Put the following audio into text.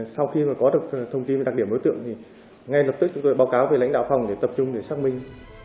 sau khi mà có được thông tin về đặc điểm đối tượng thì ngay lập tức chúng tôi báo cáo về lãnh đạo phòng để tập trung để xác minh